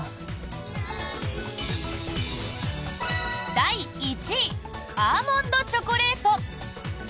第１位アーモンドチョコレート。